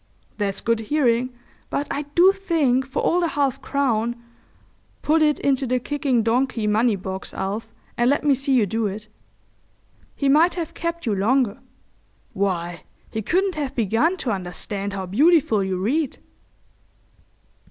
"That's good hearing, but I do think for all the half crown—put it into the kicking donkey money box, Alf, and let me see you do it—he might have kept you longer. Why, he couldn't have begun to understand how beautiful you read."